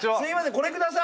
これください！